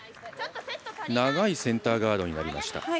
長いセンターガードになりました。